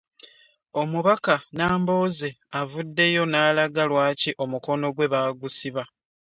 Omubaka Nambooze avuddeyo n'alaga lwaki omukono gwe baagusiba.